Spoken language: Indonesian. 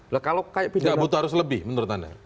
tidak butuh harus lebih menurut anda